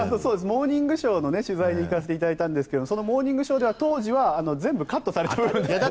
「モーニングショー」の取材で行かせていただいたんですがその「モーニングショー」では当時は全部カットされて。